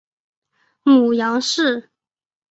母杨氏。